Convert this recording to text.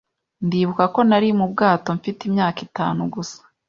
Ndibuka ko nari mu bwato mfite imyaka itanu gusa.